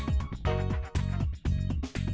được rồi được rồi